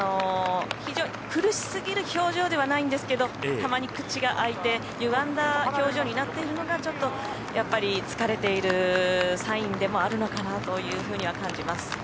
苦しすぎる表情ではないんですけどたまに口があいてゆがんだ表情になっているのがちょっと疲れているサインでもあるのかなというふうには感じます。